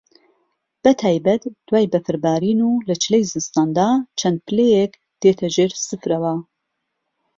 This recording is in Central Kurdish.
بە تایبەت دوای بەفربارین و لە چلەی زستان دا چەند پلەیەک دێتە ژێر سفرەوە